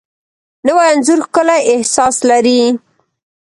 نوی انځور ښکلی احساس لري